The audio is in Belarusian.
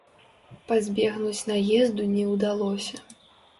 Пазбегнуць наезду не ўдалося.